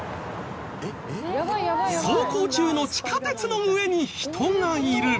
走行中の地下鉄の上に人がいる。